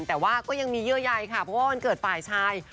แต่ว่าก็ยังมีเยื่อใยค่ะเพราะว่าวันเกิดฝ่ายชาย